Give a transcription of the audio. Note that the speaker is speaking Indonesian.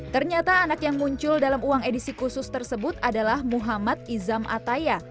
ternyata anak yang muncul dalam uang edisi khusus tersebut adalah muhammad izam ataya